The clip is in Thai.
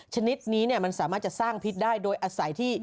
ชนิดนี้มันสามารถจะสร้างพิษได้โดยอาศัยที่